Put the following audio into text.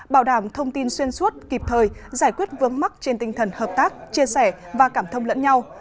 bảo đảm thông tin xuyên suốt kịp thời giải quyết vướng mắt trên tinh thần hợp tác chia sẻ và cảm thông lẫn nhau